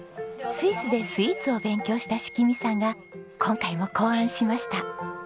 スイスでスイーツを勉強したしきみさんが今回も考案しました。